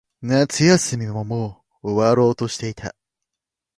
夏休みももう終わろうとしていた。